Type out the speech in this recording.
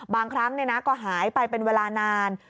บางครั้งก็หายไปเป็นเวลานาน